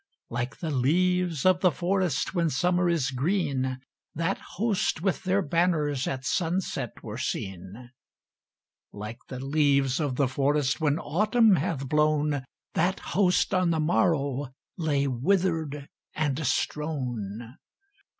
Like the leaves of the forest when Summer is green, That host with their banners at sunset were seen: Like the leaves of the forest when Autumn hath blown, That host on the morrow lay wither'd and strown.